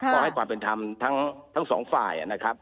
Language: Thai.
ก็ให้ความเป็นธรรมทั้งสองฝ่ายนะครับ